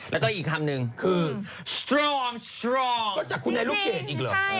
แล้วก็อีกคำนึงคือฟรอมก็จากคุณนายลูกเกดอีกเหรอ